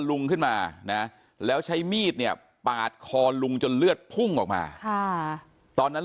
ลุงขึ้นมานะแล้วใช้มีดเนี่ยปาดคอลุงจนเลือดพุ่งออกมาตอนนั้น